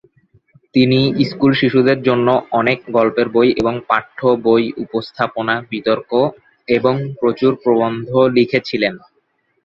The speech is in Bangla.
তিনি স্কুল শিশুদের জন্য অনেক গল্পের বই এবং পাঠ্য বই, উপস্থাপনা, বিতর্ক এবং প্রচুর প্রবন্ধ লিখেছিলেন।